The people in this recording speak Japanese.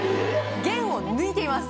弦を抜いています